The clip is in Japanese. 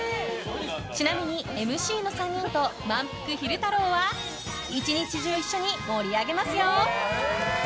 ちなみにＭＣの３人とまんぷく昼太郎は１日中一緒に盛り上げますよ！